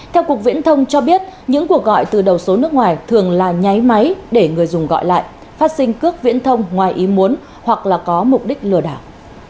theo cục viễn thông cho biết những cuộc gọi từ đầu số nước ngoài thường là nháy máy để người dùng gọi lại phát sinh cước viễn thông ngoài ý muốn hoặc là có mục đích lừa đảo